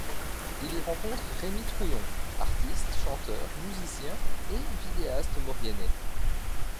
Il y rencontre Rémi Trouillon, artiste chanteur, musicien et vidéaste mauriennais.